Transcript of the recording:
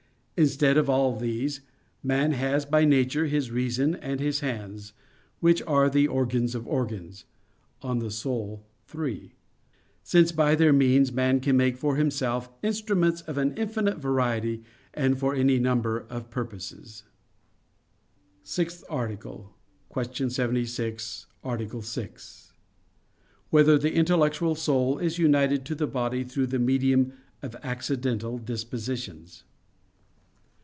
Instead of all these, man has by nature his reason and his hands, which are "the organs of organs" (De Anima iii), since by their means man can make for himself instruments of an infinite variety, and for any number of purposes. _______________________ SIXTH ARTICLE [I, Q. 76, Art. 6] Whether the Intellectual Soul Is United to the Body Through the Medium of Accidental Dispositions?